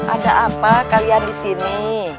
ada apa kalian disini